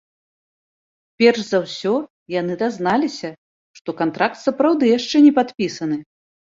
Перш за ўсё яны дазналіся, што кантракт сапраўды яшчэ не падпісаны.